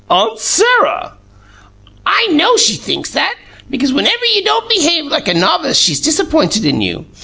"Aunt Sarah!" "I know she thinks that, because whenever you don't behave like a novice she's disappointed in you.